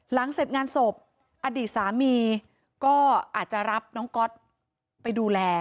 หลังเสร็จงานศพอดีตสามีก็อาจจะรับน้องก๊อตไปดูแล